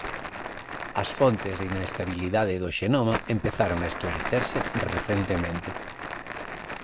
As fontes de inestabilidade do xenoma empezaron a esclarecerse recentemente.